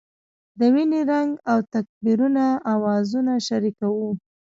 د وینې رنګ او تکبیرونو اوازونه شریک وو.